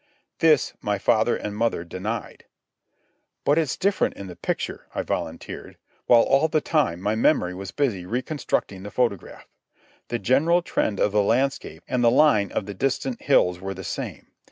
This my father and mother denied. "But it's different in the picture," I volunteered, while all the time my memory was busy reconstructing the photograph. The general trend of the landscape and the line of the distant hills were the same.